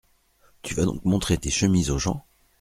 Tu vas donc montrer tes chemises aux gens ?